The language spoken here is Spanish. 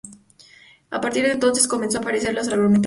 A partir de entonces comenzó a aparecer en largometrajes.